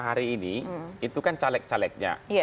hari ini itu kan caleg calegnya